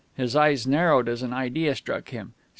His eyes narrowed as an idea struck him.